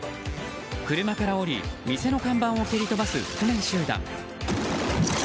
車から降り店の看板を蹴り飛ばす覆面集団。